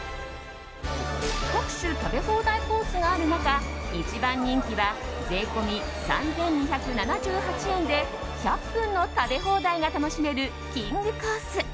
各種食べ放題コースがある中一番人気は税込み３２７８円で１００分の食べ放題が楽しめるきんぐコース。